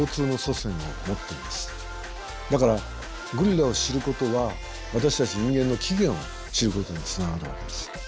だからゴリラを知ることは私たち人間の起源を知ることにつながるわけです。